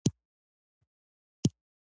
ایا تاسو په ښار کې ژوند کوی؟